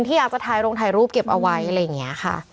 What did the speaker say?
ที่อยากจะถ่ายลงถ่ายรูปเก็บเอาไว้อะไรอย่างนี้ค่ะ